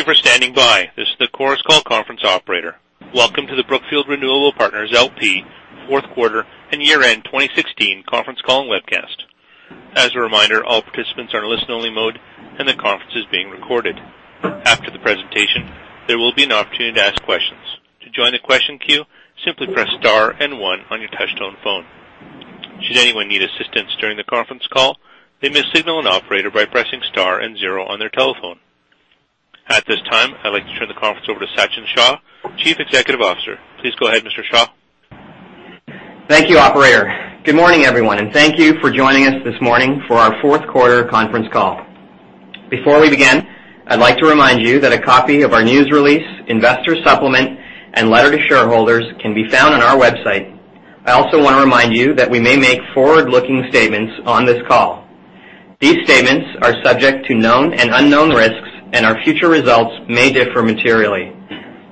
Thank you for standing by. This is the Chorus Call conference operator. Welcome to the Brookfield Renewable Partners L.P. fourth quarter and year-end 2016 conference call and webcast. As a reminder, all participants are in listen-only mode, and the conference is being recorded. After the presentation, there will be an opportunity to ask questions. To join the question queue, simply press star and one on your touchtone phone. Should anyone need assistance during the conference call, they may signal an operator by pressing star and zero on their telephone. At this time, I'd like to turn the conference over to Sachin Shah, Chief Executive Officer. Please go ahead, Mr. Shah. Thank you, operator. Good morning, everyone, and thank you for joining us this morning for our fourth quarter conference call. Before we begin, I'd like to remind you that a copy of our news release, investor supplement, and letter to shareholders can be found on our website. I also want to remind you that we may make forward-looking statements on this call. These statements are subject to known and unknown risks, and our future results may differ materially.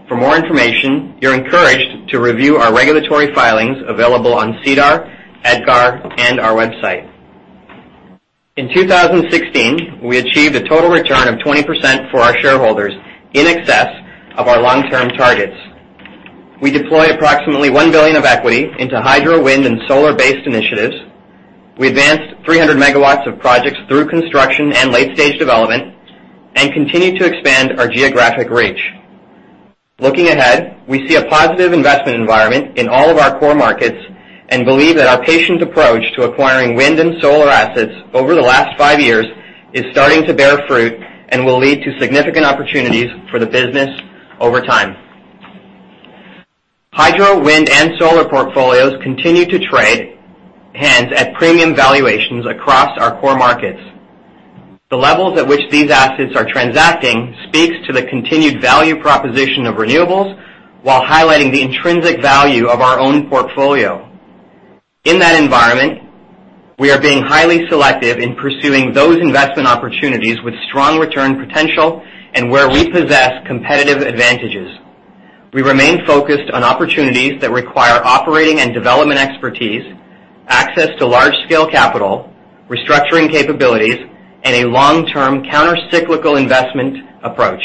For more information, you're encouraged to review our regulatory filings available on SEDAR, EDGAR, and our website. In 2016, we achieved a total return of 20% for our shareholders in excess of our long-term targets. We deployed approximately $1 billion of equity into hydro, wind, and solar-based initiatives. We advanced 300 MW of projects through construction and late-stage development and continued to expand our geographic reach. Looking ahead, we see a positive investment environment in all of our core markets and believe that our patient approach to acquiring wind and solar assets over the last five years is starting to bear fruit and will lead to significant opportunities for the business over time. Hydro, wind, and solar portfolios continue to trade hands at premium valuations across our core markets. The levels at which these assets are transacting speaks to the continued value proposition of renewables while highlighting the intrinsic value of our own portfolio. In that environment, we are being highly selective in pursuing those investment opportunities with strong return potential and where we possess competitive advantages. We remain focused on opportunities that require operating and development expertise, access to large-scale capital, restructuring capabilities, and a long-term countercyclical investment approach.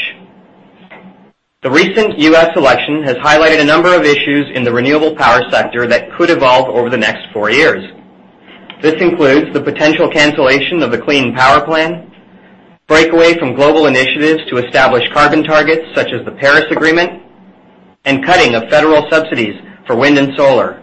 The recent U.S. election has highlighted a number of issues in the renewable power sector that could evolve over the next four years. This includes the potential cancellation of the Clean Power Plan, breakaway from global initiatives to establish carbon targets, such as the Paris Agreement, and cutting of federal subsidies for wind and solar.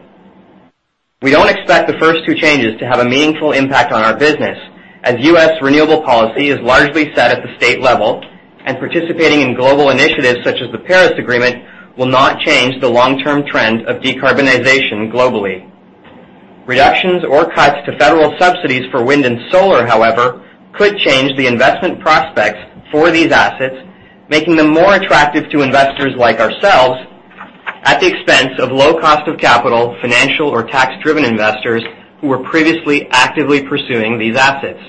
We don't expect the first two changes to have a meaningful impact on our business, as U.S. renewable policy is largely set at the state level, and participating in global initiatives such as the Paris Agreement will not change the long-term trend of decarbonization globally. Reductions or cuts to federal subsidies for wind and solar, however, could change the investment prospects for these assets, making them more attractive to investors like ourselves at the expense of low cost of capital, financial or tax-driven investors who were previously actively pursuing these assets.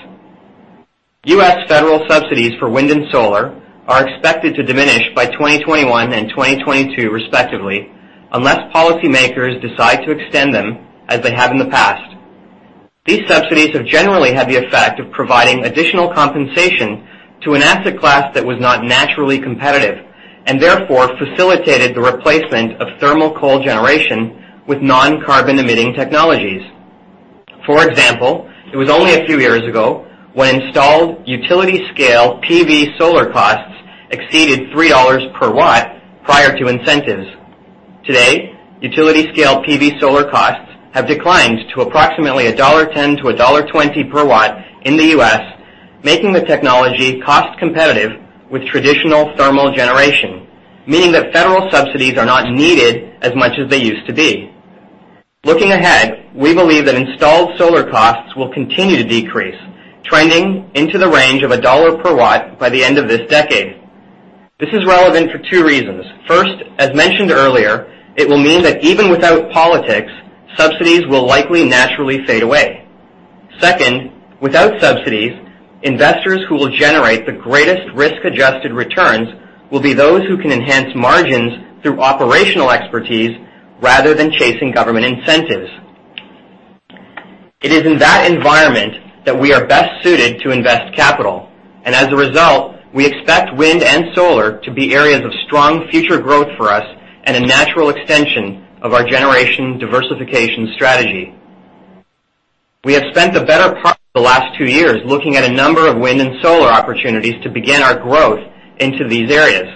U.S. federal subsidies for wind and solar are expected to diminish by 2021 and 2022, respectively, unless policymakers decide to extend them as they have in the past. These subsidies have generally had the effect of providing additional compensation to an asset class that was not naturally competitive and therefore facilitated the replacement of thermal coal generation with non-carbon emitting technologies. For example, it was only a few years ago when installed utility-scale PV solar costs exceeded $3/W prior to incentives. Today, utility-scale PV solar costs have declined to approximately $1.10-$1.20/W in the U.S., making the technology cost competitive with traditional thermal generation, meaning that federal subsidies are not needed as much as they used to be. Looking ahead, we believe that installed solar costs will continue to decrease, trending into the range of $1/W by the end of this decade. This is relevant for two reasons. First, as mentioned earlier, it will mean that even without politics, subsidies will likely naturally fade away. Second, without subsidies, investors who will generate the greatest risk-adjusted returns will be those who can enhance margins through operational expertise rather than chasing government incentives. It is in that environment that we are best suited to invest capital. As a result, we expect wind and solar to be areas of strong future growth for us and a natural extension of our generation diversification strategy. We have spent the better part of the last two years looking at a number of wind and solar opportunities to begin our growth into these areas.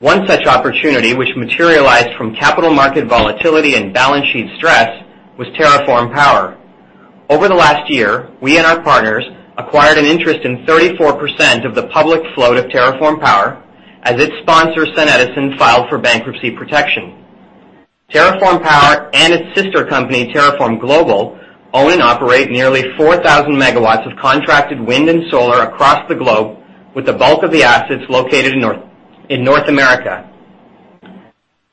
One such opportunity, which materialized from capital market volatility and balance sheet stress, was TerraForm Power. Over the last year, we and our partners acquired an interest in 34% of the public float of TerraForm Power as its sponsor, SunEdison, filed for bankruptcy protection. TerraForm Power and its sister company, TerraForm Global, own and operate nearly 4,000 MW of contracted wind and solar across the globe, with the bulk of the assets located in North America.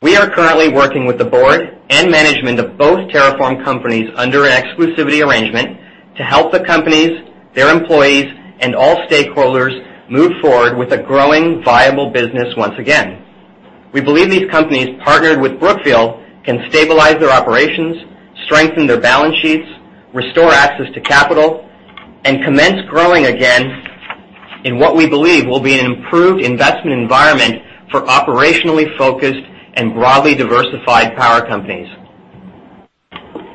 We are currently working with the board and management of both TerraForm companies under an exclusivity arrangement to help the companies, their employees, and all stakeholders move forward with a growing viable business once again. We believe these companies partnered with Brookfield can stabilize their operations, strengthen their balance sheets, restore access to capital, and commence growing again in what we believe will be an improved investment environment for operationally focused and broadly diversified power companies.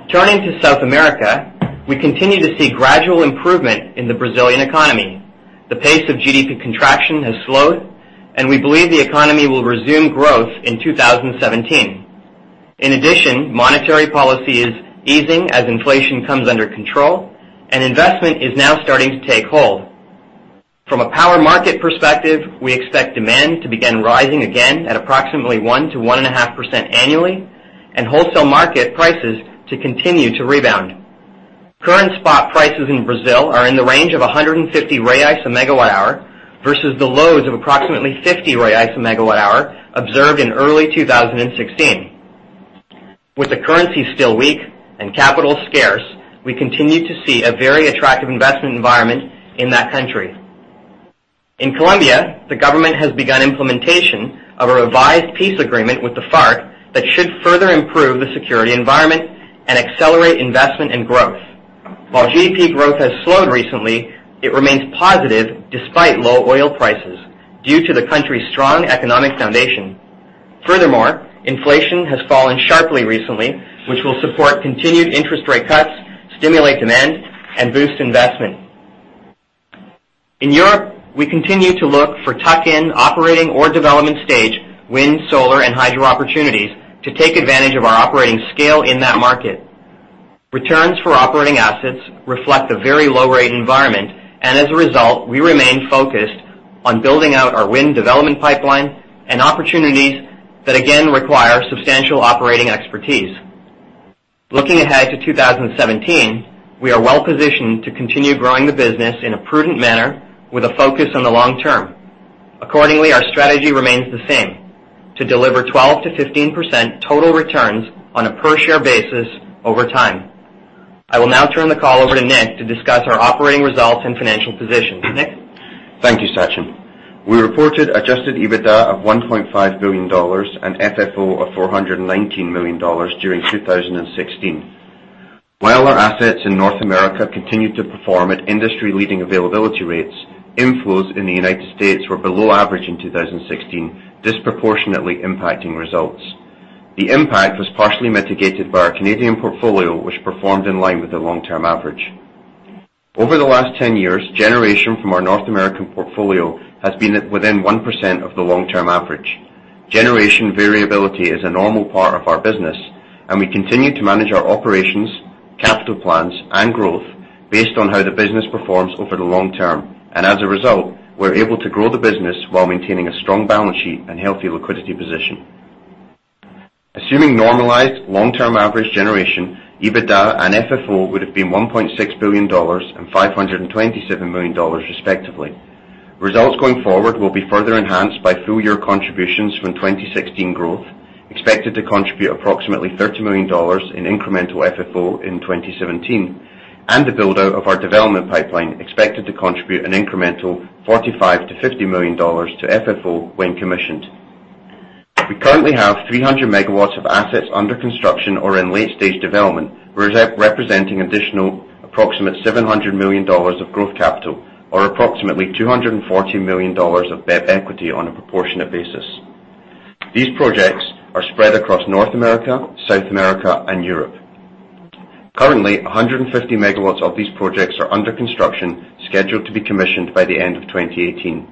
Turning to South America, we continue to see gradual improvement in the Brazilian economy. The pace of GDP contraction has slowed, and we believe the economy will resume growth in 2017. In addition, monetary policy is easing as inflation comes under control, and investment is now starting to take hold. From a power market perspective, we expect demand to begin rising again at approximately 1%-1.5% annually, and wholesale market prices to continue to rebound. Current spot prices in Brazil are in the range of 150 reais/MWh versus the lows of approximately 50 reais/MWh observed in early 2016. With the currency still weak and capital scarce, we continue to see a very attractive investment environment in that country. In Colombia, the government has begun implementation of a revised peace agreement with the FARC that should further improve the security environment and accelerate investment and growth. While GDP growth has slowed recently, it remains positive despite low oil prices due to the country's strong economic foundation. Furthermore, inflation has fallen sharply recently, which will support continued interest rate cuts, stimulate demand, and boost investment. In Europe, we continue to look for tuck-in operating or development stage wind, solar, and hydro opportunities to take advantage of our operating scale in that market. Returns for operating assets reflect a very low-rate environment, and as a result, we remain focused on building out our wind development pipeline and opportunities that again require substantial operating expertise. Looking ahead to 2017, we are well-positioned to continue growing the business in a prudent manner with a focus on the long term. Accordingly, our strategy remains the same, to deliver 12%-15% total returns on a per-share basis over time. I will now turn the call over to Nick to discuss our operating results and financial position. Nick? Thank you, Sachin. We reported adjusted EBITDA of $1.5 billion and FFO of $419 million during 2016. While our assets in North America continued to perform at industry-leading availability rates, inflows in the United States were below average in 2016, disproportionately impacting results. The impact was partially mitigated by our Canadian portfolio, which performed in line with the long-term average. Over the last 10 years, generation from our North American portfolio has been at within 1% of the long-term average. Generation variability is a normal part of our business, and we continue to manage our operations, capital plans, and growth based on how the business performs over the long term. As a result, we're able to grow the business while maintaining a strong balance sheet and healthy liquidity position. Assuming normalized long-term average generation, EBITDA and FFO would have been $1.6 billion and $527 million, respectively. Results going forward will be further enhanced by full-year contributions from 2016 growth, expected to contribute approximately $30 million in incremental FFO in 2017, and the build-out of our development pipeline, expected to contribute an incremental $45 million-$50 million to FFO when commissioned. We currently have 300 MW of assets under construction or in late-stage development, representing additional approximately $700 million of growth capital or approximately $240 million of BEP equity on a proportionate basis. These projects are spread across North America, South America, and Europe. Currently, 150 MW of these projects are under construction, scheduled to be commissioned by the end of 2018.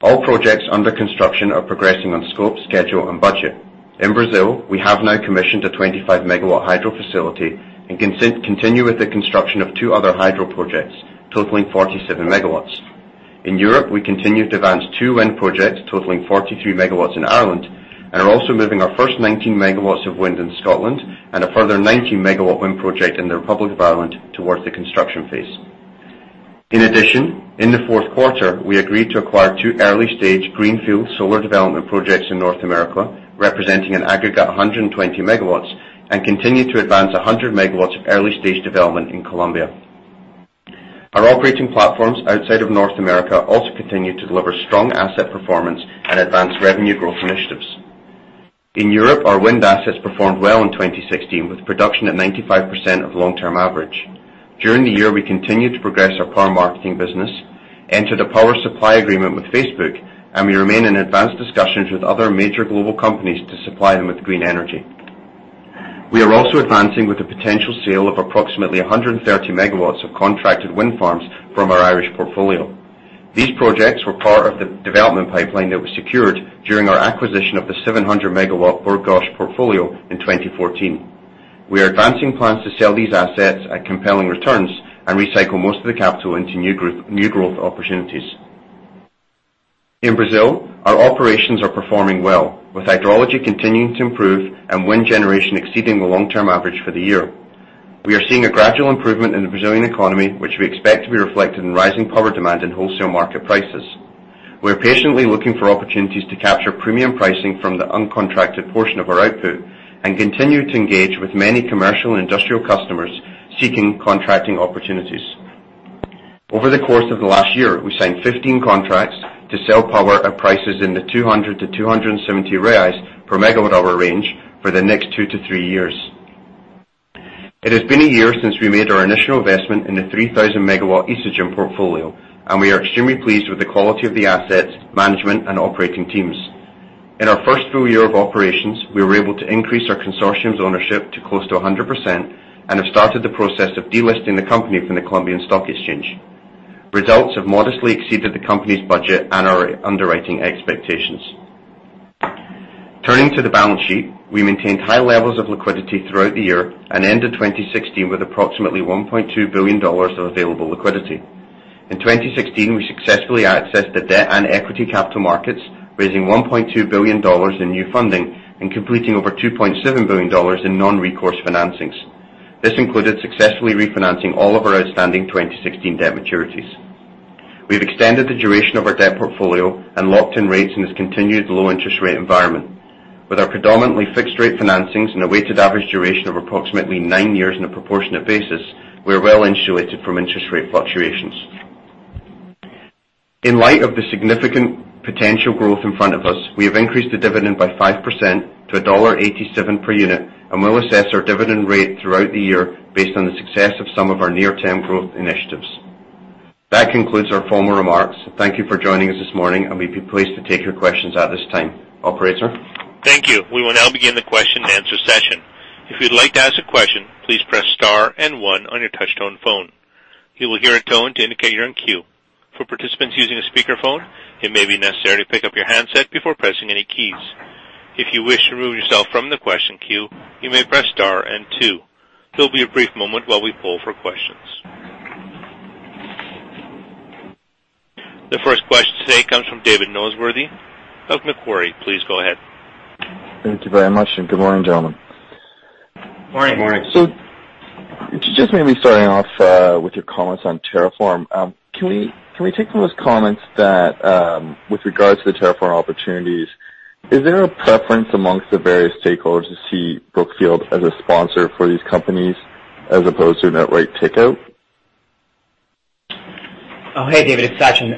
All projects under construction are progressing on scope, schedule, and budget. In Brazil, we have now commissioned a 25 MW hydro facility and continue with the construction of two other hydro projects, totaling 47 MW. In Europe, we continue to advance two wind projects totaling 43 MW in Ireland and are also moving our first 19 MW of wind in Scotland and a further 19 MW wind project in the Republic of Ireland towards the construction phase. In addition, in the fourth quarter, we agreed to acquire two early-stage greenfield solar development projects in North America, representing an aggregate 120 MW, and continue to advance 100 MW of early-stage development in Colombia. Our operating platforms outside of North America also continue to deliver strong asset performance and advance revenue growth initiatives. In Europe, our wind assets performed well in 2016 with production at 95% of long-term average. During the year, we continued to progress our power marketing business, entered a power supply agreement with Facebook, and we remain in advanced discussions with other major global companies to supply them with green energy. We are also advancing with the potential sale of approximately 130 MW of contracted wind farms from our Irish portfolio. These projects were part of the development pipeline that was secured during our acquisition of the 700 MW Bord Gáis portfolio in 2014. We are advancing plans to sell these assets at compelling returns and recycle most of the capital into new growth opportunities. In Brazil, our operations are performing well, with hydrology continuing to improve and wind generation exceeding the long-term average for the year. We are seeing a gradual improvement in the Brazilian economy, which we expect to be reflected in rising power demand and wholesale market prices. We are patiently looking for opportunities to capture premium pricing from the uncontracted portion of our output and continue to engage with many commercial and industrial customers seeking contracting opportunities. Over the course of the last year, we signed 15 contracts to sell power at prices in the 200-270 reais per MWh range for the next two to three years. It has been a year since we made our initial investment in the 3,000 MW Isagen portfolio, and we are extremely pleased with the quality of the assets, management, and operating teams. In our first full year of operations, we were able to increase our consortium's ownership to close to 100% and have started the process of delisting the company from the Colombian Stock Exchange. Results have modestly exceeded the company's budget and our underwriting expectations. Turning to the balance sheet, we maintained high levels of liquidity throughout the year and ended 2016 with approximately $1.2 billion of available liquidity. In 2016, we successfully accessed the debt and equity capital markets, raising $1.2 billion in new funding and completing over $2.7 billion in non-recourse financings. This included successfully refinancing all of our outstanding 2016 debt maturities. We've extended the duration of our debt portfolio and locked in rates in this continued low interest rate environment. With our predominantly fixed rate financings and a weighted average duration of approximately nine years on a proportionate basis, we are well-insulated from interest rate fluctuations. In light of the significant potential growth in front of us, we have increased the dividend by 5% to $1.87 per unit, and we'll assess our dividend rate throughout the year based on the success of some of our near-term growth initiatives. That concludes our formal remarks. Thank you for joining us this morning, and we'd be pleased to take your questions at this time. Operator? Thank you. We will now begin the question-and-answer session. If you'd like to ask a question, please press star and one on your touch tone phone. You will hear a tone to indicate you're in queue. For participants using a speaker phone, it may be necessary to pick up your handset before pressing any keys. If you wish to remove yourself from the question queue, you may press star and two. There'll be a brief moment while we poll for questions. The first question today comes from David Noseworthy of Macquarie. Please go ahead. Thank you very much, and good morning, gentlemen. Morning. Morning. Just maybe starting off with your comments on TerraForm. Can we take from those comments that with regards to the TerraForm opportunities, is there a preference amongst the various stakeholders to see Brookfield as a sponsor for these companies as opposed to net rate takeout? Oh, hey, David, it's Sachin.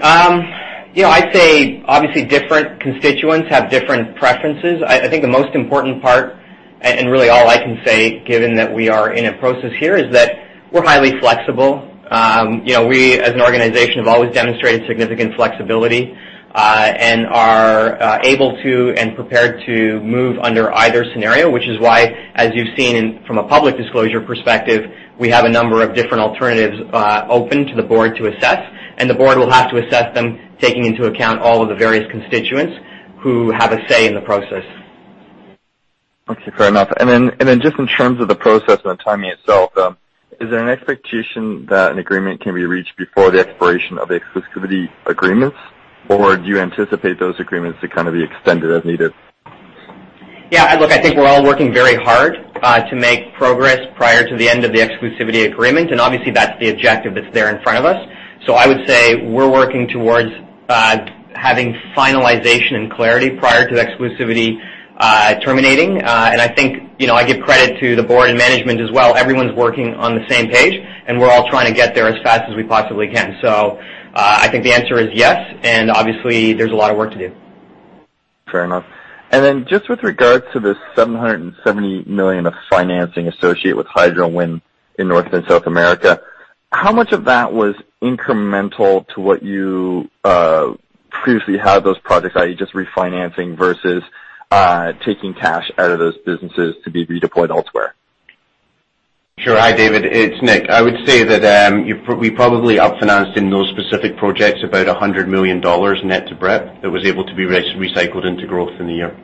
You know, I'd say, obviously, different constituents have different preferences. I think the most important part, and really all I can say given that we are in a process here, is that we're highly flexible. You know, we as an organization have always demonstrated significant flexibility, and are able to and prepared to move under either scenario, which is why, as you've seen from a public disclosure perspective, we have a number of different alternatives open to the board to assess, and the board will have to assess them taking into account all of the various constituents who have a say in the process. Okay, fair enough. Just in terms of the process and the timing itself, is there an expectation that an agreement can be reached before the expiration of the exclusivity agreements, or do you anticipate those agreements to kind of be extended as needed? Yeah. Look, I think we're all working very hard to make progress prior to the end of the exclusivity agreement, and obviously that's the objective that's there in front of us. I would say we're working towards having finalization and clarity prior to the exclusivity terminating. I think, you know, I give credit to the board and management as well. Everyone's working on the same page, and we're all trying to get there as fast as we possibly can. I think the answer is yes, and obviously there's a lot of work to do. Fair enough. Just with regards to the $770 million of financing associated with hydro and wind in North and South America, how much of that was incremental to what you previously had those projects, are you just refinancing versus taking cash out of those businesses to be redeployed elsewhere? Sure. Hi, David, it's Nick. I would say that we probably refinanced in those specific projects about $100 million net to BEP that was able to be recycled into growth in the year.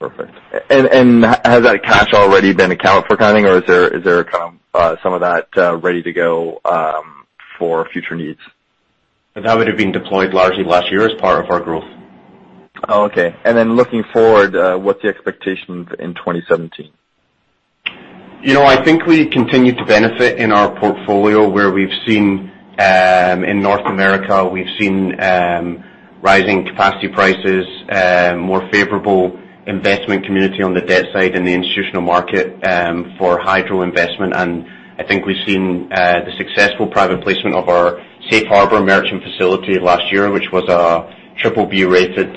Perfect. Has that cash already been accounted for kind of, or is there some of that ready to go for future needs? That would have been deployed largely last year as part of our growth. Oh, okay. Looking forward, what's the expectations in 2017? You know, I think we continue to benefit in our portfolio where we've seen in North America rising capacity prices, more favorable investment community on the debt side in the institutional market for hydro investment. I think we've seen the successful private placement of our Safe Harbor merchant facility last year, which was a BBB-rated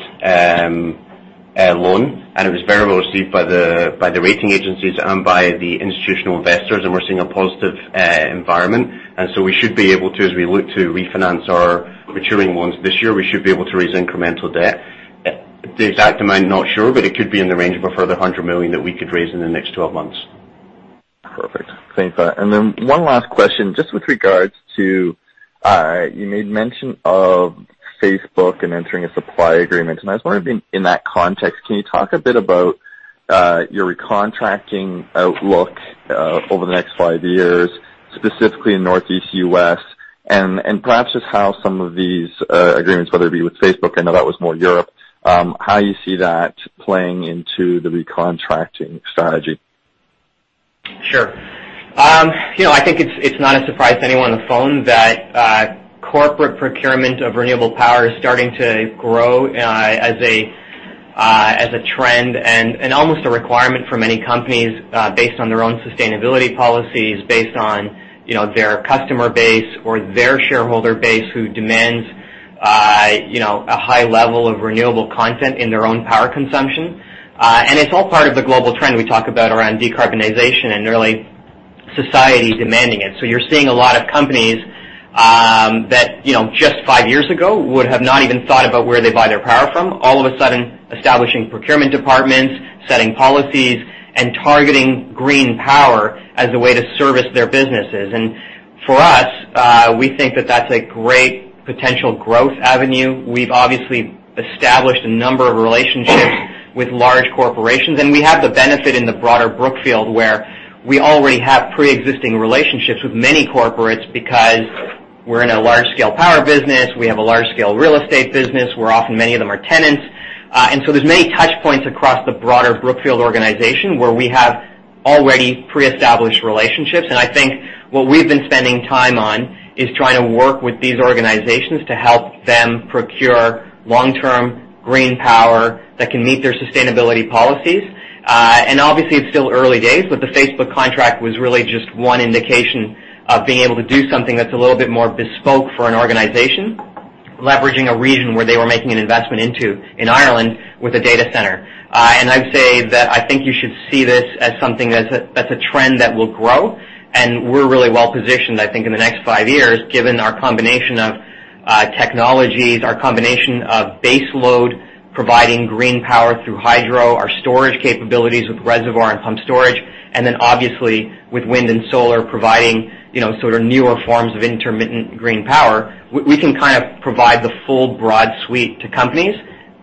loan, and it was very well received by the rating agencies and by the institutional investors, and we're seeing a positive environment. We should be able to, as we look to refinance our maturing loans this year, raise incremental debt. The exact amount, I'm not sure, but it could be in the range of a further $100 million that we could raise in the next 12 months. Perfect. Thanks for that. One last question, just with regard to, you made mention of Facebook and entering a supply agreement. I was wondering in that context, can you talk a bit about your recontracting outlook over the next five years, specifically in Northeast U.S.? Perhaps just how some of these agreements, whether it be with Facebook, I know that was more Europe, how you see that playing into the recontracting strategy? Sure. You know, I think it's not a surprise to anyone on the phone that corporate procurement of renewable power is starting to grow as a trend and almost a requirement for many companies based on their own sustainability policies, based on their customer base or their shareholder base, who demands a high level of renewable content in their own power consumption. It's all part of the global trend we talk about around decarbonization and really society demanding it. You're seeing a lot of companies that just five years ago would have not even thought about where they buy their power from, all of a sudden establishing procurement departments, setting policies, and targeting green power as a way to service their businesses. For us, we think that that's a great potential growth avenue. We've obviously established a number of relationships with large corporations, and we have the benefit in the broader Brookfield, where we already have pre-existing relationships with many corporates because we're in a large-scale power business, we have a large-scale real estate business, where often many of them are tenants. There's many touch points across the broader Brookfield organization where we have already pre-established relationships. I think what we've been spending time on is trying to work with these organizations to help them procure long-term green power that can meet their sustainability policies. Obviously, it's still early days, but the Facebook contract was really just one indication of being able to do something that's a little bit more bespoke for an organization, leveraging a region where they were making an investment into in Ireland with a data center. I'd say that I think you should see this as something that's a trend that will grow, and we're really well positioned, I think, in the next five years, given our combination of technologies, our combination of base load, providing green power through hydro, our storage capabilities with reservoir and pump storage. Then, obviously, with wind and solar providing, you know, sort of newer forms of intermittent green power, we can kind of provide the full broad suite to companies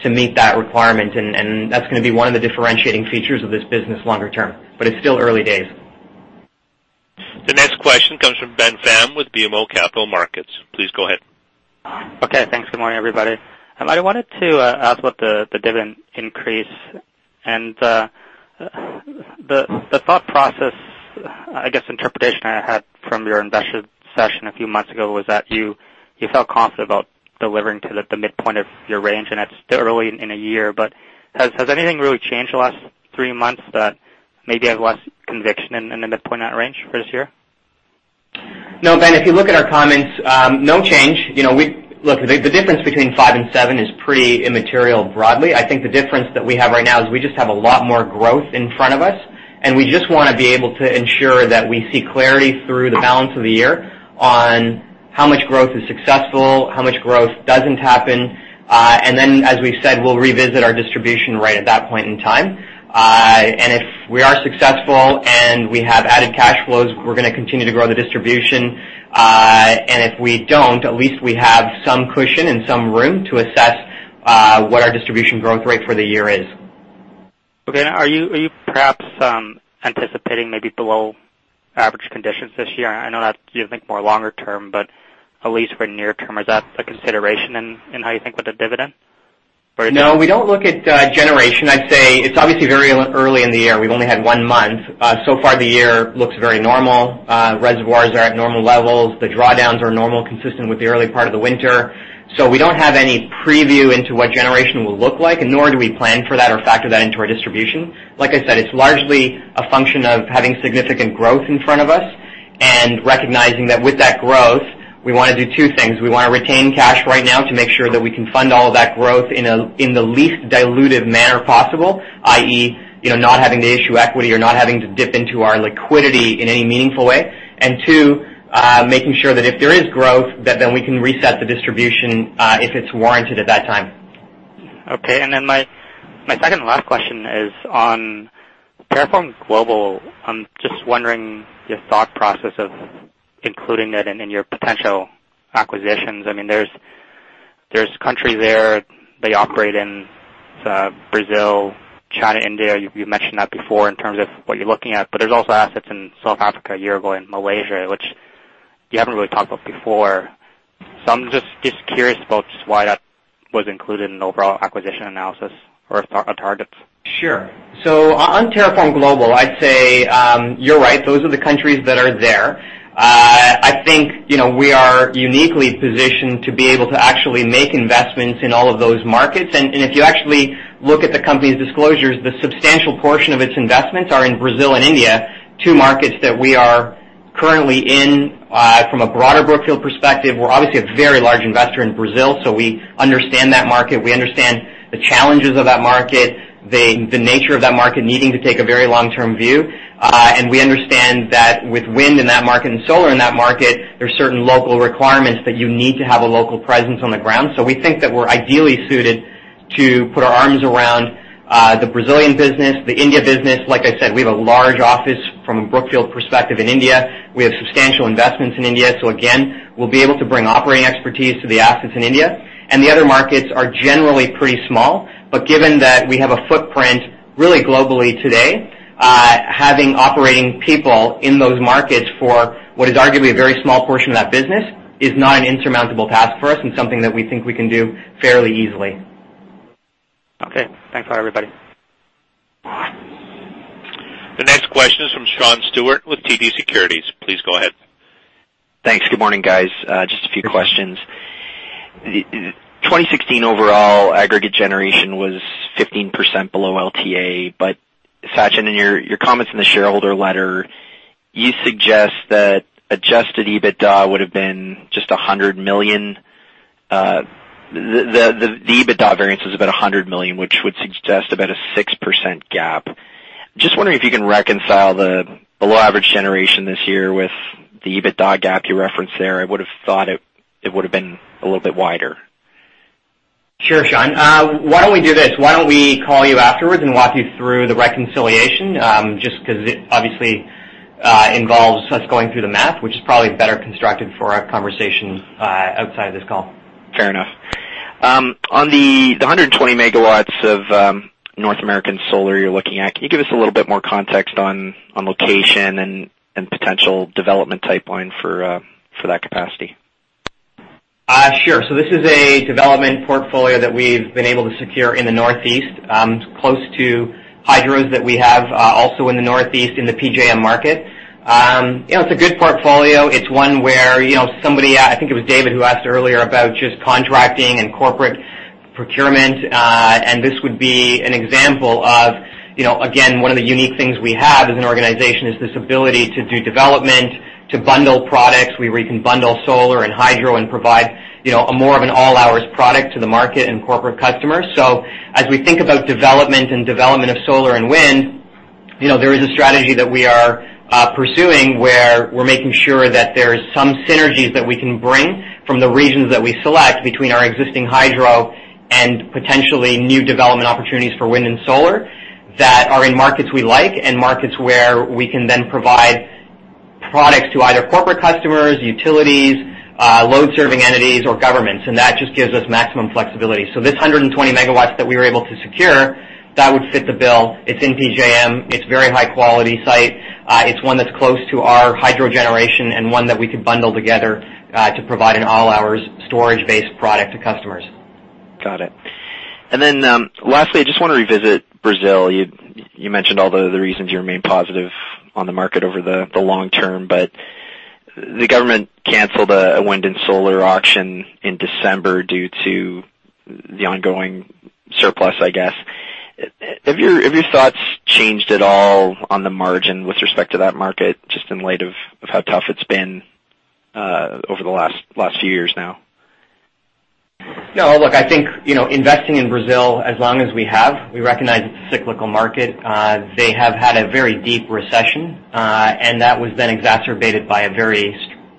to meet that requirement. That's gonna be one of the differentiating features of this business longer term. It's still early days. The next question comes from Ben Pham with BMO Capital Markets. Please go ahead. Okay, thanks. Good morning, everybody. I wanted to ask about the dividend increase and the thought process, I guess. Interpretation I had from your investor session a few months ago was that you felt confident about delivering to the midpoint of your range, and it's still early in the year. Has anything really changed the last three months that maybe have less conviction in the midpoint of that range for this year? No, Ben, if you look at our comments, no change. You know, Look, the difference between five and seven is pretty immaterial broadly. I think the difference that we have right now is we just have a lot more growth in front of us, and we just wanna be able to ensure that we see clarity through the balance of the year on how much growth is successful, how much growth doesn't happen. Then, as we've said, we'll revisit our distribution rate at that point in time. If we are successful and we have added cash flows, we're gonna continue to grow the distribution. If we don't, at least we have some cushion and some room to assess what our distribution growth rate for the year is. Okay. Are you perhaps anticipating maybe below average conditions this year? I know that you think more longer term, but at least for near term, is that a consideration in how you think with the dividend? Or is it? No, we don't look at generation. I'd say it's obviously very early in the year. We've only had one month. So far the year looks very normal. Reservoirs are at normal levels. The drawdowns are normal, consistent with the early part of the winter. We don't have any preview into what generation will look like, and nor do we plan for that or factor that into our distribution. Like I said, it's largely a function of having significant growth in front of us and recognizing that with that growth, we wanna do two things. We wanna retain cash right now to make sure that we can fund all of that growth in the least dilutive manner possible, i.e., you know, not having to issue equity or not having to dip into our liquidity in any meaningful way. Two, making sure that if there is growth, that then we can reset the distribution, if it's warranted at that time. Okay. My second and last question is on TerraForm Global. I'm just wondering your thought process of including that in your potential acquisitions. I mean, there's countries there they operate in, Brazil, China, India. You mentioned that before in terms of what you're looking at, but there's also assets in South Africa, Uruguay, and Malaysia, which you haven't really talked about before. I'm just curious about why that was included in the overall acquisition analysis or targets. Sure. On TerraForm Global, I'd say, you're right, those are the countries that are there. I think, you know, we are uniquely positioned to be able to actually make investments in all of those markets. If you actually look at the company's disclosures, the substantial portion of its investments are in Brazil and India, two markets that we are currently in, from a broader Brookfield perspective. We're obviously a very large investor in Brazil, so we understand that market. We understand the challenges of that market, the nature of that market, needing to take a very long-term view. We understand that with wind in that market and solar in that market, there's certain local requirements that you need to have a local presence on the ground. We think that we're ideally suited to put our arms around the Brazilian business, the India business. Like I said, we have a large office from a Brookfield perspective in India. We have substantial investments in India. Again, we'll be able to bring operating expertise to the assets in India. The other markets are generally pretty small. Given that we have a footprint really globally today, having operating people in those markets for what is arguably a very small portion of that business is not an insurmountable task for us and something that we think we can do fairly easily. Okay. Thanks a lot, everybody. The next question is from Sean Steuart with TD Securities. Please go ahead. Thanks. Good morning, guys. Just a few questions. 2016 overall aggregate generation was 15% below LTA. Sachin, in your comments in the shareholder letter, you suggest that adjusted EBITDA would have been just $100 million. The EBITDA variance was about $100 million, which would suggest about a 6% gap. Just wondering if you can reconcile the below average generation this year with the EBITDA gap you referenced there. I would have thought it would have been a little bit wider. Sure, Sean. Why don't we do this? Why don't we call you afterwards and walk you through the reconciliation, just because it obviously involves us going through the math, which is probably better constructed for a conversation outside this call. Fair enough. On the 120 MW of North American solar you're looking at, can you give us a little bit more context on location and potential development pipeline for that capacity? Sure. This is a development portfolio that we've been able to secure in the Northeast, close to hydros that we have, also in the Northeast in the PJM market. You know, it's a good portfolio. It's one where, you know, somebody, I think it was David, who asked earlier about just contracting and corporate procurement. This would be an example of, you know, again, one of the unique things we have as an organization is this ability to do development, to bundle products, where we can bundle solar and hydro and provide, you know, a more of an all-hours product to the market and corporate customers. As we think about development of solar and wind, you know, there is a strategy that we are pursuing where we're making sure that there is some synergies that we can bring from the regions that we select between our existing hydro and potentially new development opportunities for wind and solar that are in markets we like and markets where we can then provide products to either corporate customers, utilities, load serving entities or governments. That just gives us maximum flexibility. This 120 MW that we were able to secure would fit the bill. It's in PJM. It's very high-quality site. It's one that's close to our hydro generation and one that we could bundle together to provide an all-hours storage-based product to customers. Got it. Then, lastly, I just want to revisit Brazil. You mentioned all the other reasons you remain positive on the market over the long term, but the government canceled a wind and solar auction in December due to the ongoing surplus, I guess. Have your thoughts changed at all on the margin with respect to that market, just in light of how tough it's been over the last few years now? No, look, I think, you know, investing in Brazil as long as we have, we recognize it's a cyclical market. They have had a very deep recession, and that was then exacerbated by a very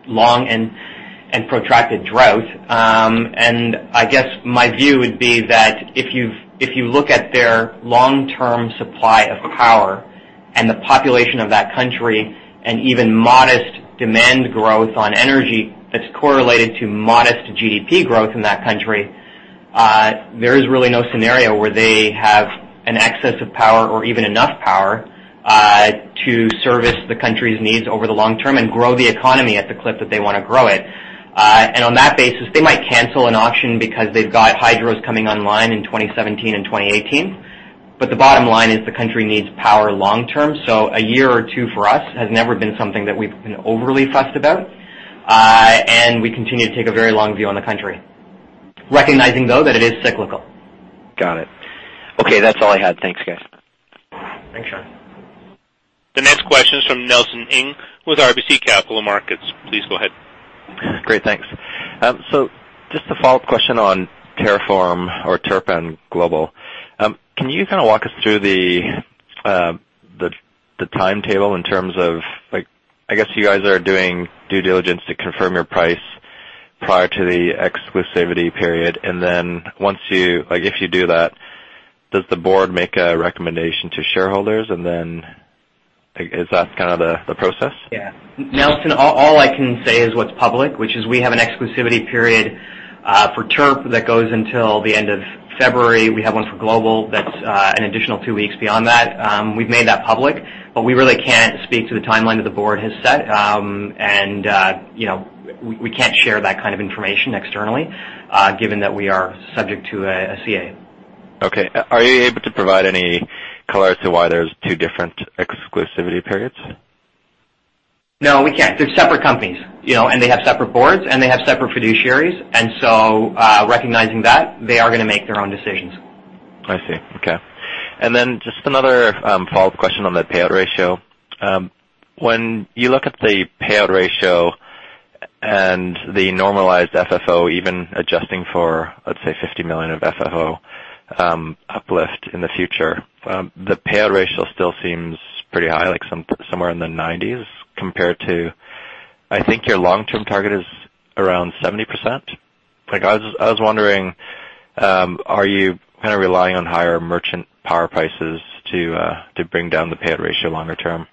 long and protracted drought. I guess my view would be that if you look at their long-term supply of power and the population of that country and even modest demand growth on energy that's correlated to modest GDP growth in that country, there is really no scenario where they have an excess of power or even enough power to service the country's needs over the long term and grow the economy at the clip that they want to grow it. On that basis, they might cancel an auction because they've got hydros coming online in 2017 and 2018. The bottom line is the country needs power long term. A year or two for us has never been something that we've been overly fussed about. We continue to take a very long view on the country, recognizing, though, that it is cyclical. Got it. Okay, that's all I had. Thanks, guys. Thanks, Sean. The next question is from Nelson Ng with RBC Capital Markets. Please go ahead. Great, thanks, so just a follow-up question on TerraForm or TerraForm Global. Can you kind of walk us through the timetable in terms of, like, I guess you guys are doing due diligence to confirm your price prior to the exclusivity period, and then once you like, if you do that, does the board make a recommendation to shareholders? Like, is that kind of the process? Yeah. Nelson, all I can say is what's public, which is we have an exclusivity period for TERP that goes until the end of February. We have one for Global that's an additional two weeks beyond that. We've made that public, but we really can't speak to the timeline that the board has set. You know, we can't share that kind of information externally, given that we are subject to a CA. Okay. Are you able to provide any color as to why there's two different exclusivity periods? No, we can't. They're separate companies, you know, and they have separate boards, and they have separate fiduciaries. Recognizing that, they are gonna make their own decisions. I see. Okay. Just another follow-up question on the payout ratio. When you look at the payout ratio and the normalized FFO, even adjusting for, let's say, $50 million of FFO uplift in the future, the payout ratio still seems pretty high, like somewhere in the 90s compared to, I think, your long-term target is around 70%. Like, I was wondering, are you kind of relying on higher merchant power prices to bring down the payout ratio longer term?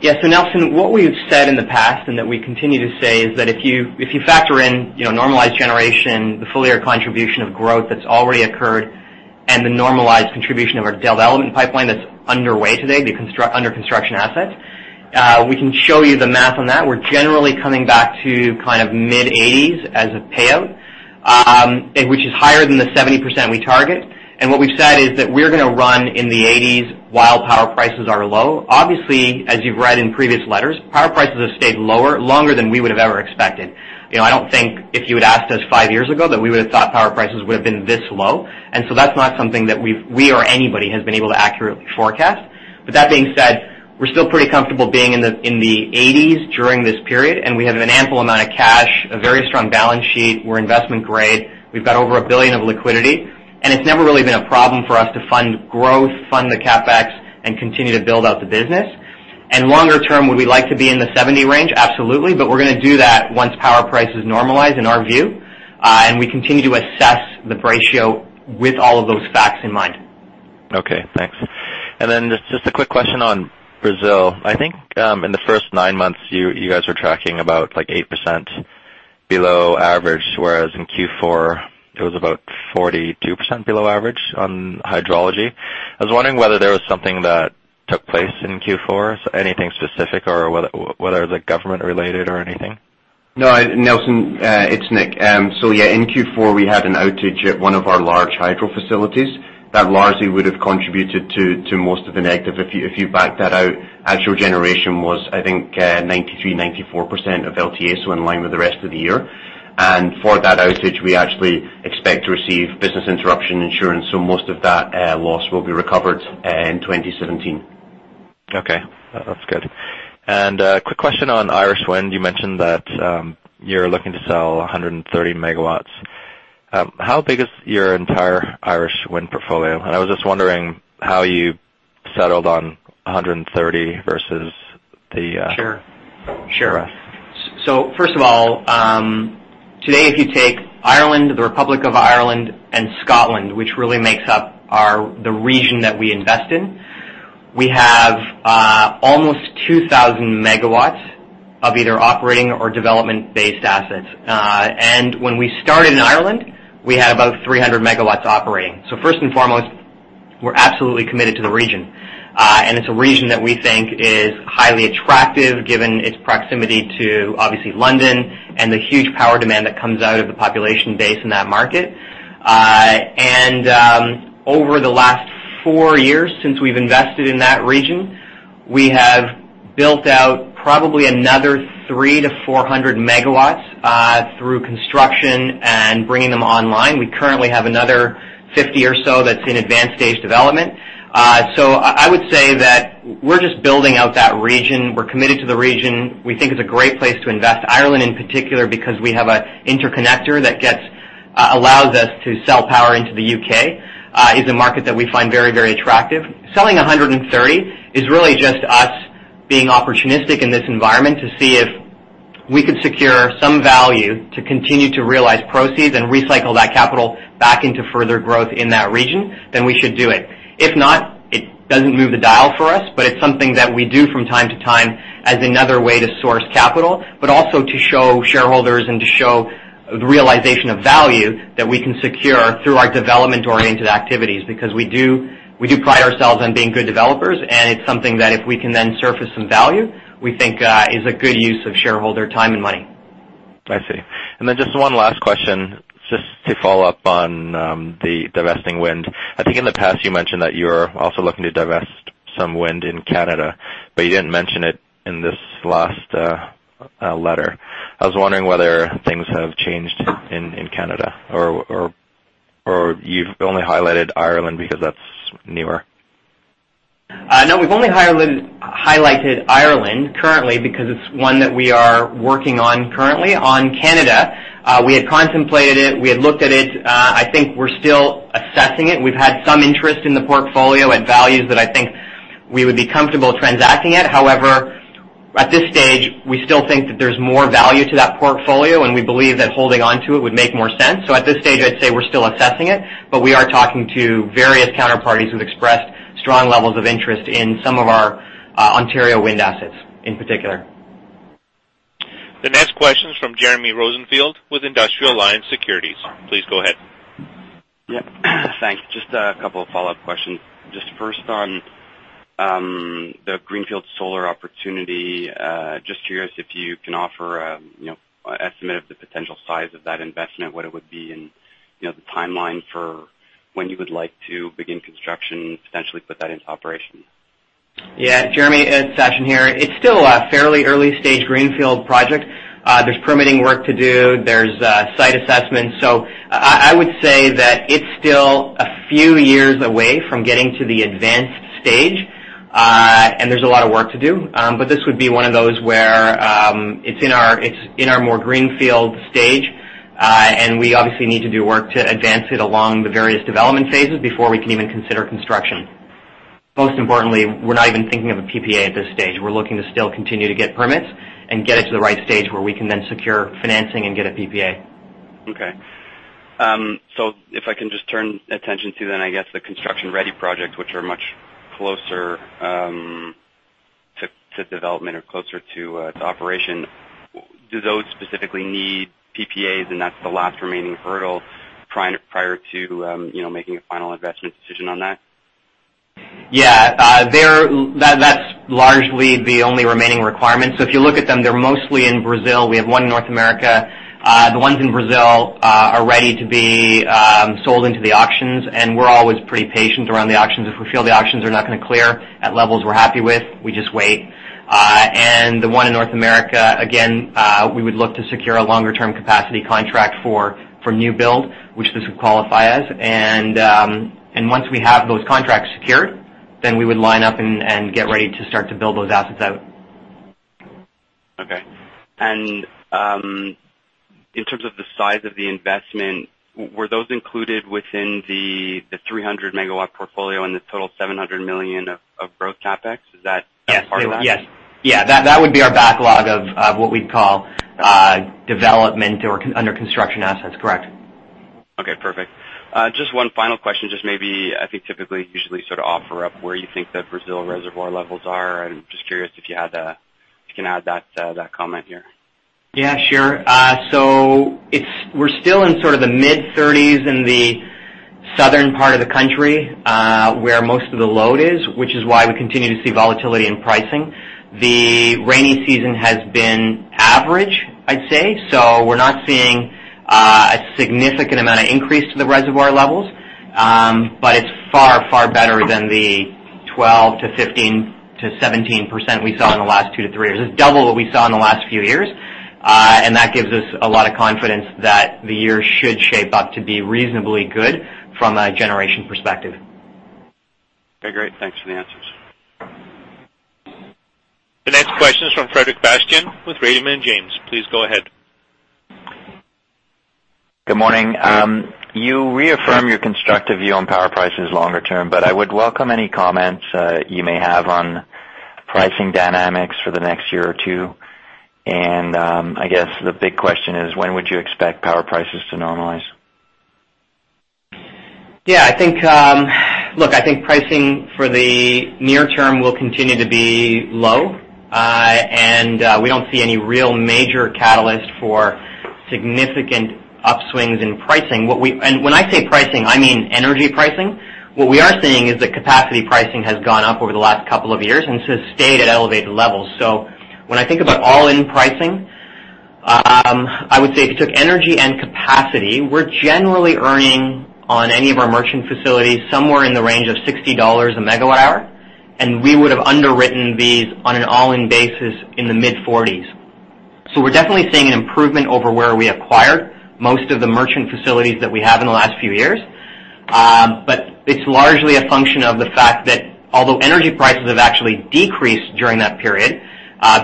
Yeah. Nelson, what we have said in the past and that we continue to say is that if you factor in, you know, normalized generation, the full year contribution of growth that's already occurred, and the normalized contribution of our development pipeline that's underway today, under construction assets, we can show you the math on that. We're generally coming back to kind of mid-80s as a payout, and which is higher than the 70% we target. What we've said is that we're gonna run in the 80s while power prices are low. Obviously, as you've read in previous letters, power prices have stayed lower longer than we would have ever expected. You know, I don't think if you had asked us five years ago that we would have thought power prices would have been this low. That's not something that we or anybody has been able to accurately forecast. That being said, we're still pretty comfortable being in the 80s during this period, and we have an ample amount of cash, a very strong balance sheet. We're investment grade. We've got over $1 billion of liquidity, and it's never really been a problem for us to fund growth, fund the CapEx, and continue to build out the business. Longer term, would we like to be in the 70% range? Absolutely. We're gonna do that once power prices normalize, in our view, and we continue to assess the ratio with all of those facts in mind. Okay. Thanks. Just a quick question on Brazil. I think in the first nine months, you guys were tracking about like 8% below average, whereas in Q4, it was about 42% below average on hydrology. I was wondering whether there was something that took place in Q4, anything specific or whether it was like government-related or anything. No, Nelson, it's Nick, so yeah, in Q4, we had an outage at one of our large hydro facilities that largely would have contributed to most of the negative. If you backed that out, actual generation was, I think, 93%-94% of LTA, so in line with the rest of the year. For that outage, we actually expect to receive business interruption insurance, so most of that loss will be recovered in 2017. Okay, that's good. Quick question on Irish wind. You mentioned that you're looking to sell 130 MW. How big is your entire Irish wind portfolio? I was just wondering how you settled on 130 MW versus the... Sure. First of all, today, if you take Ireland, the Republic of Ireland and Scotland, which really makes up our the region that we invest in, we have almost 2,000 MW of either operating or development-based assets. When we started in Ireland, we had about 300 MW operating. First and foremost, we're absolutely committed to the region. It's a region that we think is highly attractive given its proximity to, obviously, London and the huge power demand that comes out of the population base in that market. Over the last four years since we've invested in that region, we have built out probably another 300 MW-400 MW through construction and bringing them online. We currently have another 50 MW or so that's in advanced stage development. I would say that we're just building out that region. We're committed to the region. We think it's a great place to invest. Ireland, in particular, because we have an interconnector that allows us to sell power into the U.K., is a market that we find very, very attractive. Selling 130 MW is really just us being opportunistic in this environment to see if we could secure some value to continue to realize proceeds and recycle that capital back into further growth in that region, we should do it. If not, it doesn't move the dial for us, but it's something that we do from time to time as another way to source capital, but also to show shareholders and to show the realization of value that we can secure through our development-oriented activities. Because we do pride ourselves on being good developers, and it's something that if we can then surface some value, we think, is a good use of shareholder time and money. I see. Just one last question, just to follow up on the divesting wind. I think in the past you mentioned that you're also looking to divest some wind in Canada, but you didn't mention it in this last letter. I was wondering whether things have changed in Canada or you've only highlighted Ireland because that's newer? No, we've only highlighted Ireland currently because it's one that we are working on currently. On Canada, we had contemplated it. We had looked at it. I think we're still assessing it. We've had some interest in the portfolio at values that I think we would be comfortable transacting it. However, at this stage, we still think that there's more value to that portfolio, and we believe that holding onto it would make more sense. At this stage, I'd say we're still assessing it, but we are talking to various counterparties who've expressed strong levels of interest in some of our Ontario wind assets in particular. The next question is from Jeremy Rosenfield with Industrial Alliance Securities. Please go ahead. Yep. Thanks. Just a couple of follow-up questions. Just first on the greenfield solar opportunity. Just curious if you can offer, you know, an estimate of the potential size of that investment, what it would be, and, you know, the timeline for when you would like to begin construction, potentially put that into operation. Yeah. Jeremy, it's Sachin here. It's still a fairly early-stage greenfield project. There's permitting work to do. There's site assessments. I would say that it's still a few years away from getting to the advanced stage, and there's a lot of work to do, but this would be one of those where it's in our more greenfield stage, and we obviously need to do work to advance it along the various development phases before we can even consider construction. Most importantly, we're not even thinking of a PPA at this stage. We're looking to still continue to get permits and get it to the right stage where we can then secure financing and get a PPA. Okay. If I can just turn attention to then, I guess, the construction-ready projects, which are much closer to development or closer to operation. Do those specifically need PPAs, and that's the last remaining hurdle? Prior to, you know, making a final investment decision on that? Yeah. That's largely the only remaining requirement. If you look at them, they're mostly in Brazil. We have one in North America. The ones in Brazil are ready to be sold into the auctions, and we're always pretty patient around the auctions. If we feel the auctions are not gonna clear at levels we're happy with, we just wait. The one in North America, again, we would look to secure a longer-term capacity contract for new build, which this would qualify us. Once we have those contracts secured, we would line up and get ready to start to build those assets out. Okay. In terms of the size of the investment, were those included within the 300 MW portfolio and the total $700 million of growth CapEx? Is that- Yes. Part of that? Yes. Yeah. That would be our backlog of what we'd call development or under construction assets. Correct. Okay. Perfect. Just one final question. Just maybe, I think, typically, usually sort of offer up where you think the Brazil reservoir levels are, and just curious if you had, if you can add that comment here. Yeah, sure. We're still in sort of the mid-30s in the southern part of the country, where most of the load is, which is why we continue to see volatility in pricing. The rainy season has been average, I'd say. We're not seeing a significant amount of increase to the reservoir levels, but it's far, far better than the 12%-15%-17% we saw in the last two to three years. It's double what we saw in the last few years, and that gives us a lot of confidence that the year should shape up to be reasonably good from a generation perspective. Okay, great. Thanks for the answers. The next question is from Frederic Bastien with Raymond James. Please go ahead. Good morning. You reaffirmed your constructive view on power prices longer term, but I would welcome any comments you may have on pricing dynamics for the next year or two. I guess the big question is, when would you expect power prices to normalize? I think pricing for the near term will continue to be low, and we don't see any real major catalyst for significant upswings in pricing. When I say pricing, I mean energy pricing. What we are seeing is that capacity pricing has gone up over the last couple of years, and it has stayed at elevated levels. When I think about all-in pricing, I would say if you took energy and capacity, we're generally earning on any of our merchant facilities somewhere in the range of $60/MWh, and we would have underwritten these on an all-in basis in the mid-$40s. We're definitely seeing an improvement over where we acquired most of the merchant facilities that we have in the last few years. It's largely a function of the fact that although energy prices have actually decreased during that period,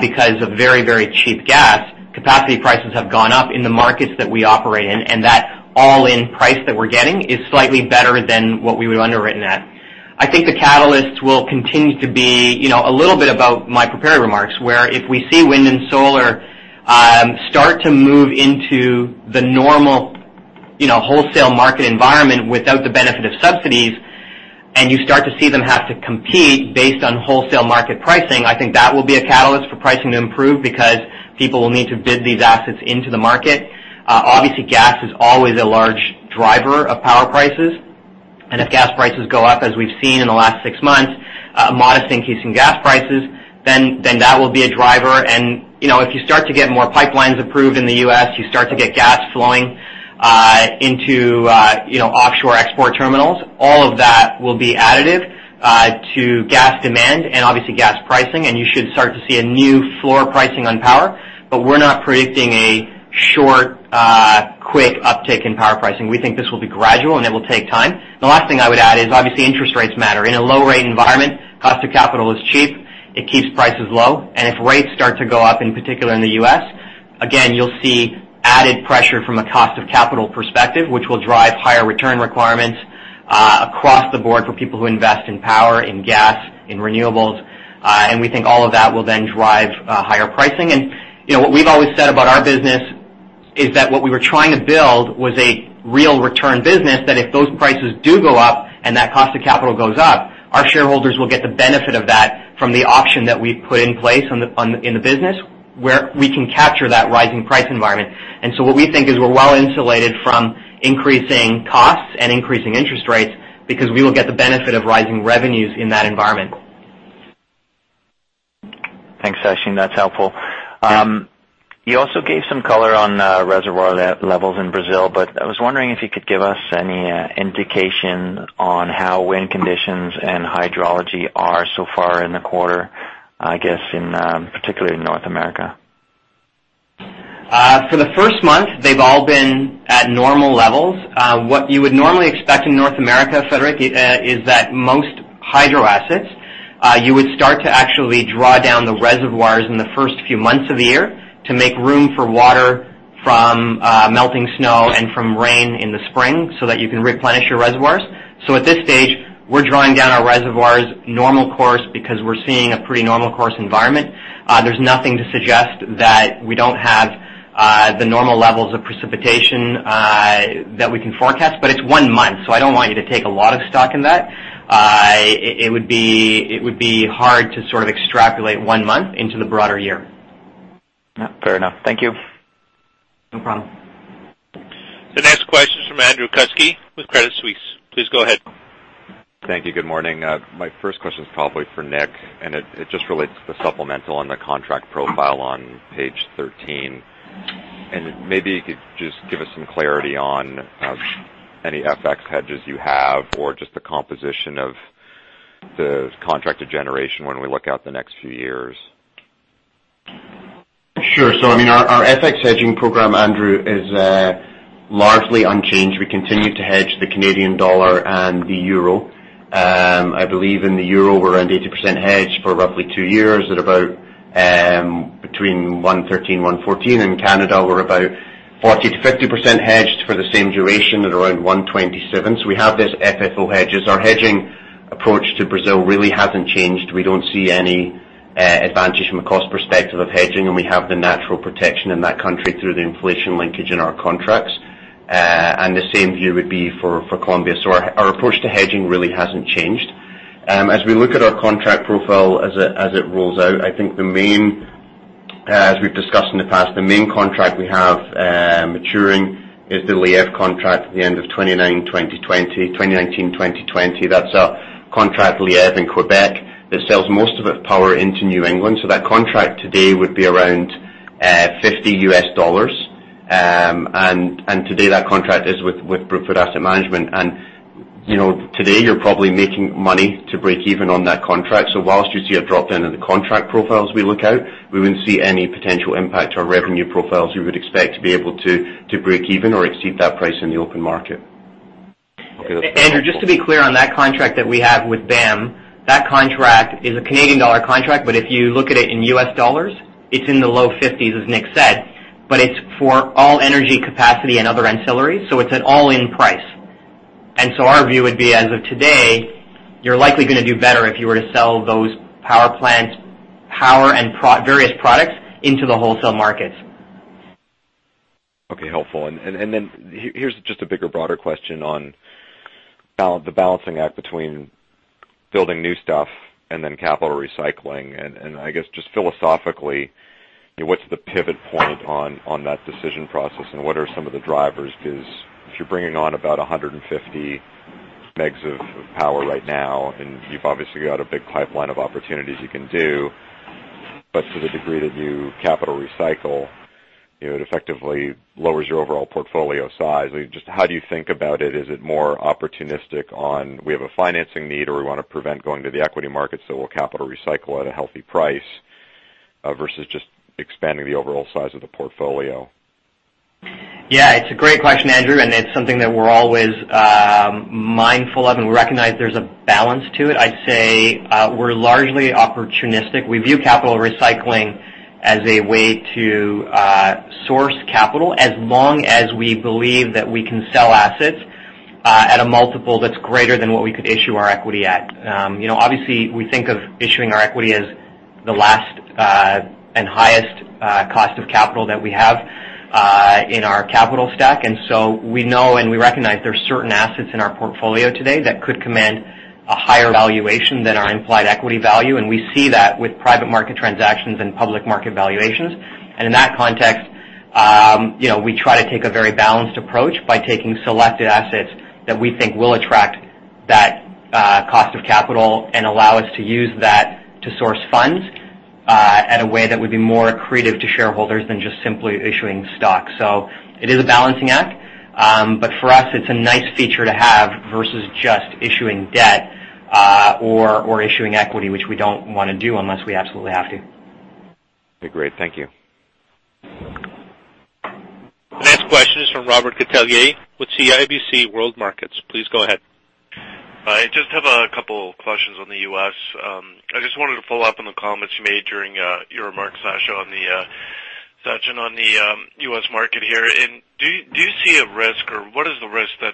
because of very, very cheap gas, capacity prices have gone up in the markets that we operate in, and that all-in price that we're getting is slightly better than what we would underwritten at. I think the catalyst will continue to be, you know, a little bit about my prepared remarks, where if we see wind and solar start to move into the normal, you know, wholesale market environment without the benefit of subsidies, and you start to see them have to compete based on wholesale market pricing, I think that will be a catalyst for pricing to improve because people will need to bid these assets into the market. Obviously, gas is always a large driver of power prices. If gas prices go up, as we've seen in the last six months, a modest increase in gas prices, then that will be a driver. You know, if you start to get more pipelines approved in the U.S., you start to get gas flowing into you know, offshore export terminals, all of that will be additive to gas demand and obviously gas pricing, and you should start to see a new floor pricing on power. We're not predicting a short, quick uptick in power pricing. We think this will be gradual, and it will take time. The last thing I would add is, obviously, interest rates matter. In a low-rate environment, cost of capital is cheap. It keeps prices low. If rates start to go up, in particular in the U.S., again, you'll see added pressure from a cost of capital perspective, which will drive higher return requirements across the board for people who invest in power, in gas, in renewables, and we think all of that will then drive higher pricing. You know, what we've always said about our business is that what we were trying to build was a real return business, that if those prices do go up and that cost of capital goes up, our shareholders will get the benefit of that from the option that we've put in place in the business, where we can capture that rising price environment. What we think is we're well insulated from increasing costs and increasing interest rates because we will get the benefit of rising revenues in that environment. Thanks, Sachin. That's helpful. You also gave some color on reservoir levels in Brazil, but I was wondering if you could give us any indication on how wind conditions and hydrology are so far in the quarter, I guess, particularly in North America. For the first month, they've all been at normal levels. What you would normally expect in North America, Frederic, is that most hydro assets, you would start to actually draw down the reservoirs in the first few months of the year to make room for water from melting snow and from rain in the spring so that you can replenish your reservoirs. At this stage, we're drawing down our reservoirs normal course because we're seeing a pretty normal course environment. There's nothing to suggest that we don't have the normal levels of precipitation that we can forecast. It's one month, so I don't want you to take a lot of stock in that. It would be hard to sort of extrapolate one month into the broader year. No, fair enough. Thank you. No problem. The next question is from Andrew Kuske with Credit Suisse. Please go ahead. Thank you. Good morning. My first question is probably for Nick, and it just relates to the supplemental on the contract profile on page 13. Maybe you could just give us some clarity on any FX hedges you have or just the composition of the contracted generation when we look out the next few years. Sure. I mean, our FX hedging program, Andrew, is largely unchanged. We continue to hedge the Canadian dollar and the euro. I believe in the euro, we're around 80% hedged for roughly two years at about between 1.13-1.14. In Canada, we're about 40%-50% hedged for the same duration at around 1.27. We have these FFO hedges. Our hedging approach to Brazil really hasn't changed. We don't see any advantage from a cost perspective of hedging, and we have the natural protection in that country through the inflation linkage in our contracts. The same view would be for Colombia. Our approach to hedging really hasn't changed. As we look at our contract profile as it rolls out, I think the main- As we've discussed in the past, the main contract we have maturing is the Lièvre contract at the end of 2019, 2020. That's our contract Lièvre in Québec that sells most of its power into New England. That contract today would be around $50. Today that contract is with Brookfield Asset Management. You know, today you're probably making money to break even on that contract. While you see a drop down in the contract profiles we look out, we wouldn't see any potential impact to our revenue profiles. We would expect to be able to break even or exceed that price in the open market. Okay, that's helpful. Andrew, just to be clear on that contract that we have with BAM, that contract is a Canadian dollar contract, but if you look at it in US dollars, it's in the low-50s, as Nick said. It's for all energy capacity and other ancillaries, so it's an all-in price. Our view would be, as of today, you're likely gonna do better if you were to sell those power plant power and various products into the wholesale markets. Okay, helpful. Then here's just a bigger, broader question on the balancing act between building new stuff and then capital recycling. I guess just philosophically, what's the pivot point on that decision process, and what are some of the drivers? Because if you're bringing on about 150 MW of power right now, and you've obviously got a big pipeline of opportunities you can do, but to the degree that you capital recycle, it effectively lowers your overall portfolio size. Just how do you think about it? Is it more opportunistic on we have a financing need or we want to prevent going to the equity market, so we'll capital recycle at a healthy price versus just expanding the overall size of the portfolio? Yeah, it's a great question, Andrew, and it's something that we're always mindful of, and we recognize there's a balance to it. I'd say we're largely opportunistic. We view capital recycling as a way to source capital, as long as we believe that we can sell assets at a multiple that's greater than what we could issue our equity at. You know, obviously, we think of issuing our equity as the last and highest cost of capital that we have in our capital stack. We know and we recognize there's certain assets in our portfolio today that could command a higher valuation than our implied equity value, and we see that with private market transactions and public market valuations. In that context, you know, we try to take a very balanced approach by taking selected assets that we think will attract that cost of capital and allow us to use that to source funds in a way that would be more accretive to shareholders than just simply issuing stock. It is a balancing act, but for us, it's a nice feature to have versus just issuing debt or issuing equity, which we don't wanna do unless we absolutely have to. Okay, great. Thank you. The next question is from Robert Catellier with CIBC World Markets. Please go ahead. I just have a couple questions on the U.S. I just wanted to follow up on the comments you made during your remarks, Sachin, on the U.S. market here. Do you see a risk, or what is the risk that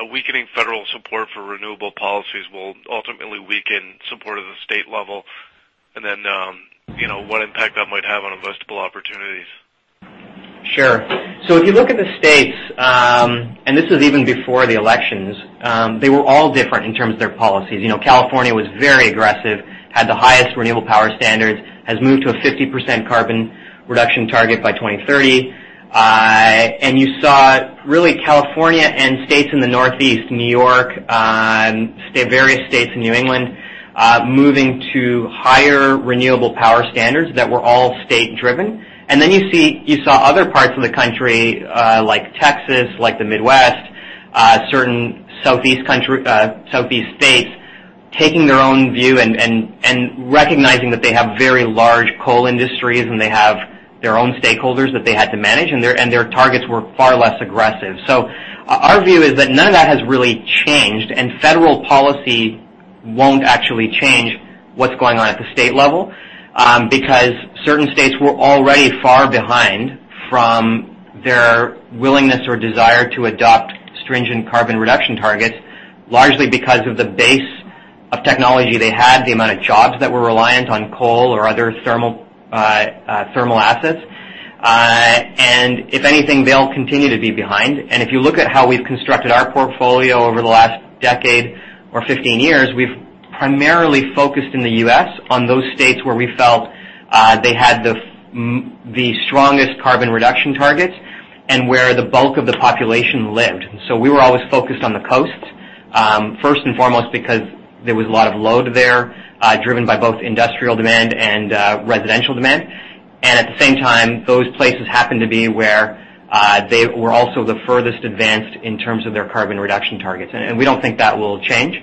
a weakening federal support for renewable policies will ultimately weaken support at the state level? You know, what impact that might have on investable opportunities? Sure. If you look at the states, and this is even before the elections, they were all different in terms of their policies. You know, California was very aggressive, had the highest renewable power standards, has moved to a 50% carbon reduction target by 2030. You saw really California and states in the Northeast, New York, and various states in New England moving to higher renewable power standards that were all state-driven. You saw other parts of the country, like Texas, like the Midwest, certain southeastern states taking their own view and recognizing that they have very large coal industries, and they have their own stakeholders that they had to manage, and their targets were far less aggressive. Our view is that none of that has really changed, and federal policy won't actually change what's going on at the state level, because certain states were already far behind from their willingness or desire to adopt stringent carbon reduction targets, largely because of the base of technology they had, the amount of jobs that were reliant on coal or other thermal assets. If anything, they'll continue to be behind. If you look at how we've constructed our portfolio over the last decade or 15 years, we've primarily focused in the U.S. on those states where we felt they had the strongest carbon reduction targets and where the bulk of the population lived. We were always focused on the coast, first and foremost, because there was a lot of load there, driven by both industrial demand and residential demand. At the same time, those places happened to be where they were also the furthest advanced in terms of their carbon reduction targets, and we don't think that will change.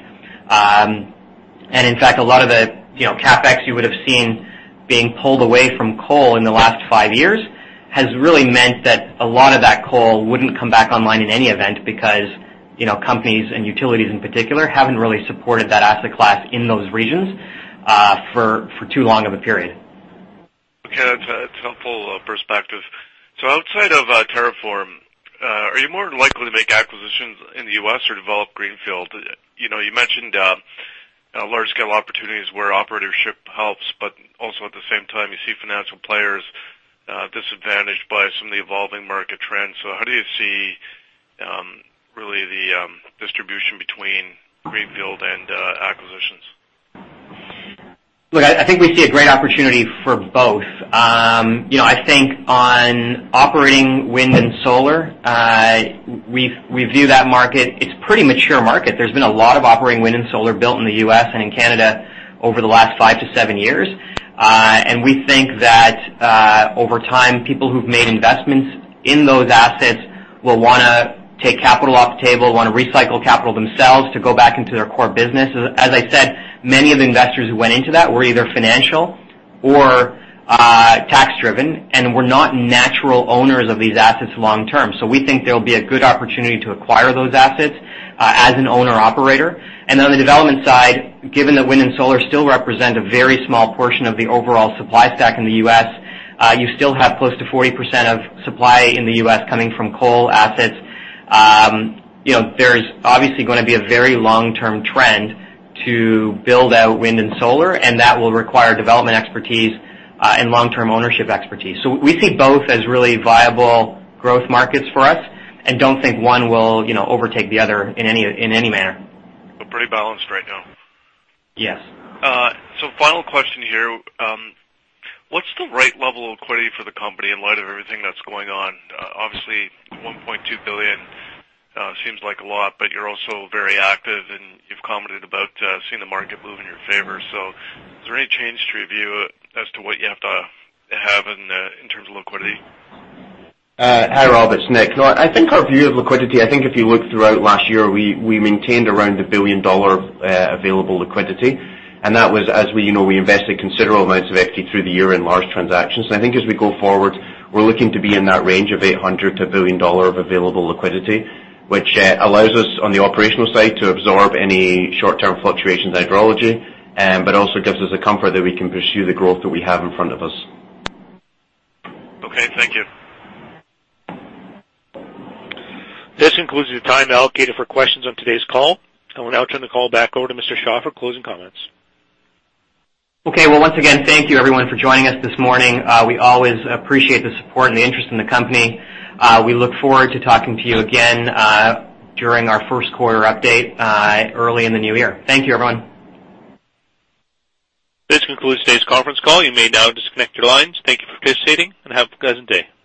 In fact, a lot of the, you know, CapEx you would have seen being pulled away from coal in the last five years has really meant that a lot of that coal wouldn't come back online in any event because, you know, companies and utilities, in particular, haven't really supported that asset class in those regions for too long of a period. Okay. That's a helpful perspective. Outside of TerraForm, are you more likely to make acquisitions in the U.S. or develop greenfield? You know, you mentioned large-scale opportunities where operatorship helps, but also at the same time, you see financial players disadvantaged by some of the evolving market trends. How do you see really the distribution between greenfield and acquisitions? Look, I think we see a great opportunity for both. You know, I think on operating wind and solar, we view that market. It's a pretty mature market. There's been a lot of operating wind and solar built in the U.S. and in Canada over the last five to seven years. We think that over time, people who've made investments in those assets will wanna take capital off the table, wanna recycle capital themselves to go back into their core business. As I said, many of the investors who went into that were either financial or tax-driven and were not natural owners of these assets long-term. We think there'll be a good opportunity to acquire those assets as an owner operator. On the development side, given that wind and solar still represent a very small portion of the overall supply stack in the U.S., you still have close to 40% of supply in the U.S. coming from coal assets. You know, there's obviously gonna be a very long-term trend to build out wind and solar, and that will require development expertise and long-term ownership expertise. We see both as really viable growth markets for us and don't think one will, you know, overtake the other in any manner. Pretty balanced right now. Yes. Final question here. What's the right level of equity for the company in light of everything that's going on? Obviously $1.2 billion seems like a lot, but you're also very active, and you've commented about seeing the market move in your favor. Is there any change to your view as to what you have to have in terms of liquidity? Hi, Rob, it's Nick. No, I think our view of liquidity. I think if you look throughout last year, we maintained around $1 billion available liquidity, and that was, as we know, we invested considerable amounts of equity through the year in large transactions. I think as we go forward, we're looking to be in that range of $800 million-$1 billion of available liquidity, which allows us on the operational side to absorb any short-term fluctuations in hydrology, but also gives us the comfort that we can pursue the growth that we have in front of us. Okay, thank you. This concludes the time allocated for questions on today's call, and we'll now turn the call back over to Mr. Shah for closing comments. Okay. Well, once again, thank you everyone for joining us this morning. We always appreciate the support and the interest in the company. We look forward to talking to you again, during our first quarter update, early in the new year. Thank you, everyone. This concludes today's conference call. You may now disconnect your lines. Thank you for participating, and have a pleasant day.